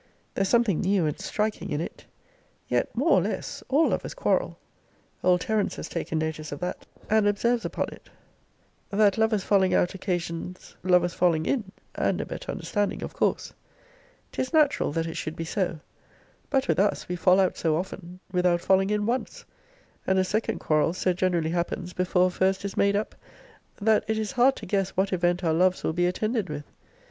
There's something new and striking in it. Yet, more or less, all lovers quarrel. Old Terence has taken notice of that; and observes upon it, That lovers falling out occasions lovers falling in; and a better understanding of course. 'Tis natural that it should be so. But with us, we fall out so often, without falling in once; and a second quarrel so generally happens before a first is made up; that it is hard to guess what event our loves will be attended with.